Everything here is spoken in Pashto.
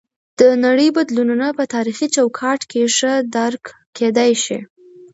د نړۍ بدلونونه په تاریخي چوکاټ کې ښه درک کیدی شي.